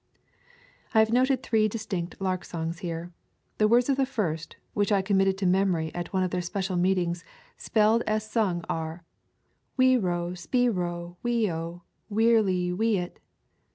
I have noted three distinct lark songs here. The words of the first, which I committed to memory at one of their special meetings, spelled as sung, are, "Wee ro spee ro wee o weer ly wee it.""